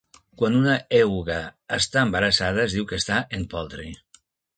Quan una euga està embarassada, es diu que està "en poltre".